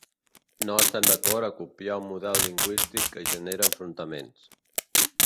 No estem d’acord a copiar un model lingüístic que genera enfrontaments.